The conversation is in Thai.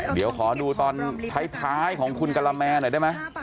เดี๋ยวขอดูตอนท้ายของคุณกะละแมหน่อยได้ไหม